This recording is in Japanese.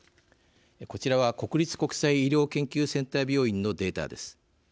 こちらは国立国際医療研究センター病院のデータです。